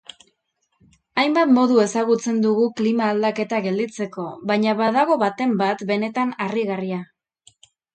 Hainbat modu ezagutzen dugu klima-aldaketa gelditzeko baina badago baten bat benetan harrigarria.